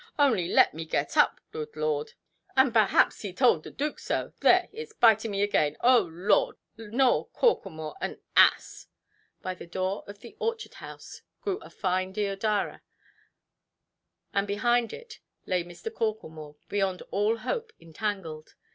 Only let me get up, good Lord—and perhaps he told the Dook so. There, itʼs biting me again, oh Lord! Nowell Corklemore an ass"! By the door of the orchard–house grew a fine deodara, and behind it lay Mr. Corklemore, beyond all hope entangled.